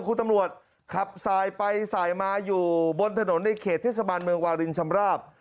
คุณตำรวจขับสายไปสายมาอยู่บนถนนในเขตเทศบาลเมืองวารินชำราบ